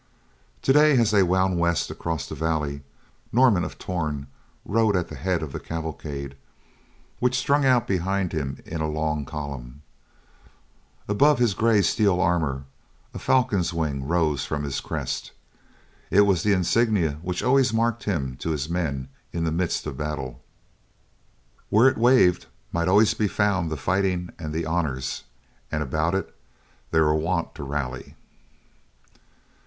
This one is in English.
Today, as they wound west across the valley, Norman of Torn rode at the head of the cavalcade, which strung out behind him in a long column. Above his gray steel armor, a falcon's wing rose from his crest. It was the insignia which always marked him to his men in the midst of battle. Where it waved might always be found the fighting and the honors, and about it they were wont to rally.